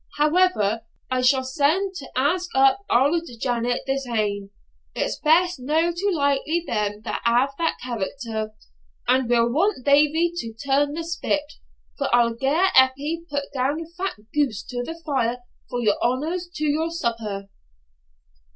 However, I shall send to ask up auld Janet this e'en; it's best no to lightly them that have that character; and we'll want Davie to turn the spit, for I'll gar Eppie put down a fat goose to the fire for your honours to your supper.'